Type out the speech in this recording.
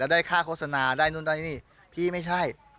ได้ค่าโฆษณาได้นู่นได้นี่พี่ไม่ใช่